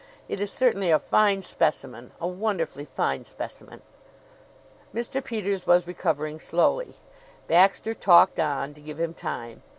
It is certainly a fine specimen a wonderfully fine specimen." Mr. Peters was recovering slowly. Baxter talked on, to give him time.